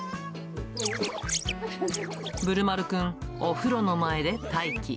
ぶるまるくん、お風呂の前で待機。